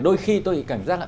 đôi khi tôi cảm giác là